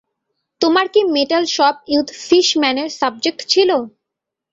তোমার কি metal shop with ফিশম্যানের সাব্জেক্ট ছিলো?